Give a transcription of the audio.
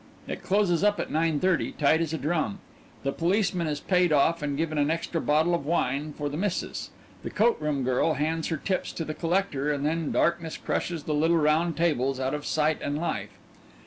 It closes up at nine thirty, tight as a drum; the policeman is paid off and given an extra bottle of wine for the missis, the coat room girl hands her tips to the collector, and then darkness crushes the little round tables out of sight and life.